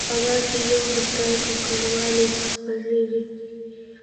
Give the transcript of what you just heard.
په هوا کې یو مقدار ککړوالی خپروي.